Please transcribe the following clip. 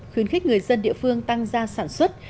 khuyến khích người dân địa phương tăng gia sản xuất